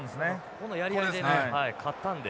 このやり合いで勝ったんで。